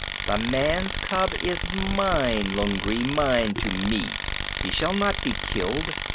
The man's cub is mine, Lungri mine to me! He shall not be killed.